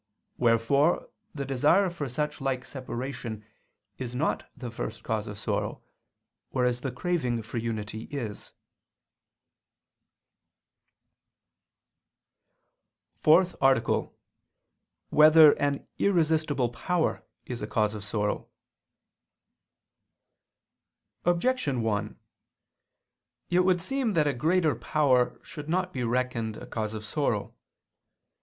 Wherefore the desire for such like separation is not the first cause of sorrow, whereas the craving for unity is. ________________________ FOURTH ARTICLE [I II, Q. 36, Art. 4] Whether an Irresistible Power Is a Cause of Sorrow? Objection 1: It would seem that a greater power should not be reckoned a cause of sorrow.